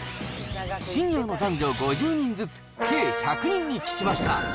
シニアの男女５０人ずつ、計１００人に聞きました。